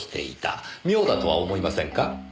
妙だとは思いませんか？